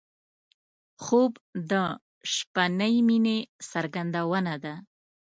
خوب د شپهنۍ مینې څرګندونه ده